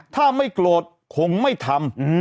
ถ้าไม่โกรธคงไม่ทำ